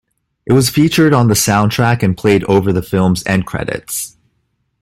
It was featured on the soundtrack and played over the film's end credits.